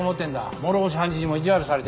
諸星判事にも意地悪されて。